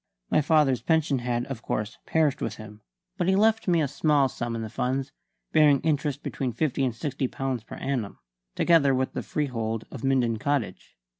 My father's pension had, of course, perished with him; but he left me a small sum in the funds, bearing interest between fifty and sixty pounds per annum, together with the freehold of Minden Cottage.